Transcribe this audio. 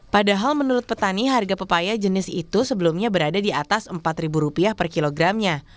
padahal menurut petani harga pepaya jenis itu sebelumnya berada di atas rp empat per kilogramnya